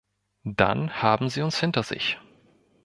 Dann haben Sie uns hinter sich.